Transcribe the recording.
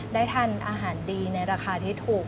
ได้ทานอาหารดีในราคาที่ถูก